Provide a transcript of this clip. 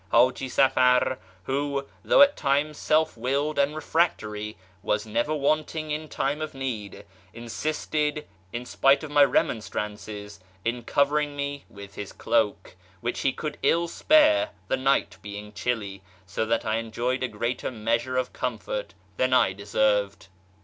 Haji Safar, who, though at times self willed and refractory, was never wanting in time of need, insisted, in spite of my remonstrances, in covering me with his cloak, which he could ill spare (the night being chilly), so that I enjoyed a greater measure of comfort than I deserved.